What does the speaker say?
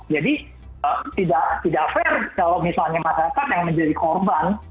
jadi tidak fair kalau misalnya masyarakat yang menjadi korban